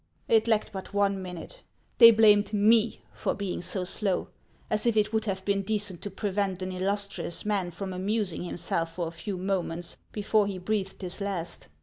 It lacked but one minute ; they blamed me for being so slow, as if it would have been decent to prevent an illustrious man from amusing him self for a few moments, before he breathed his last